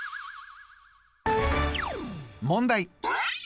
問題